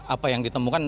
apa yang ditemukan